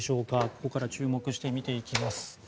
ここから注目して見ていきます。